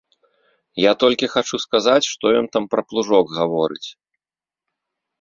Я толькі хачу сказаць, што ён там пра плужок гаворыць.